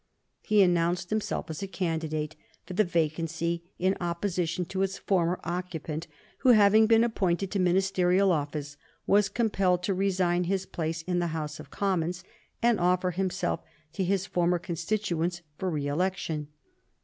He announced himself as a candidate for the vacancy in opposition to its former occupant, who, having been appointed to ministerial office, was compelled to resign his place in the House of Commons and offer himself to his former constituents for re election.